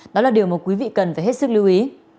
đó là điều mà quý vị cần phải hết sức lưu ý